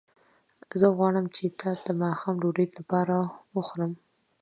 زه غواړم چې تا د ماښام ډوډۍ لپاره وخورم